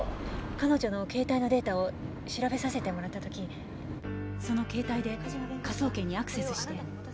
彼女の携帯のデータを調べさせてもらった時その携帯で科捜研にアクセスして。